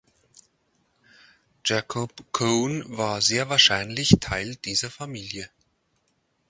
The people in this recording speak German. Jacob Coene war sehr wahrscheinlich Teil dieser Familie.